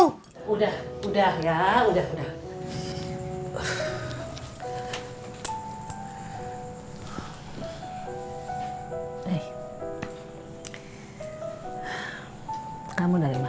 udah udah ya udah udah